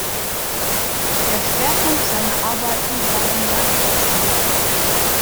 Der Schwerpunkt seiner Arbeiten war die Landschaftsmalerei.